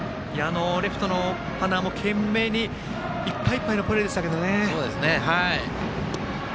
レフトの塙も懸命にいっぱいいっぱいのプレーでしたけどね。